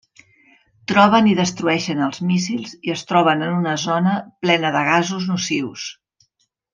Troben i destrueixen els míssils i es troben en una zona plena de gasos nocius.